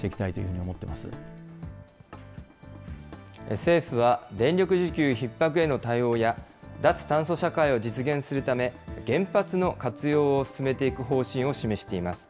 政府は電力需給ひっ迫への対応や、脱炭素社会を実現するため、原発の活用を進めていく方針を示しています。